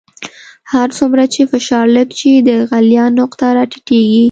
هر څومره چې فشار لږ شي د غلیان نقطه را ټیټیږي.